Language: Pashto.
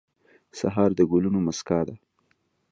سهار د ګلونو موسکا ده.